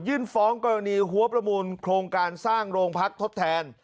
ฟ้องกรณีหัวประมูลโครงการสร้างโรงพักทดแทน